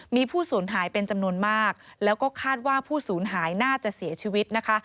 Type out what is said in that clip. มีผู้สูญหายเป็นจำนวนมากแล้วก็คาดว่าผู้สูญหายน่าจะเสียชีวิตนะคะ